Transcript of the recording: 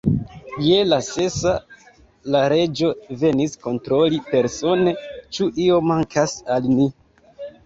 Je la sesa, la Reĝo venis kontroli persone, ĉu io mankas al ni.